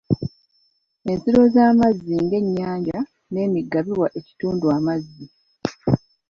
Ensulo z'amazzi ng'ennyanja n'emigga biwa ekitundu amazzi.